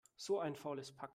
So ein faules Pack!